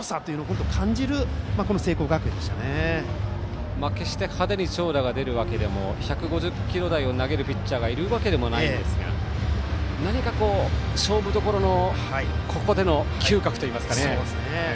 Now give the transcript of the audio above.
今年のチームの派手に長打が出るわけでも１５０キロ台を投げるピッチャーがいるわけでもないんですが何か勝負どころのここでの嗅覚といいますかね。